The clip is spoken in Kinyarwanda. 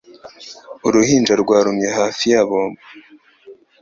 Uruhinja rwarumye hafi ya bombo.